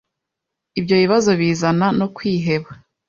Ibyo bibazo bizana no kwiheba?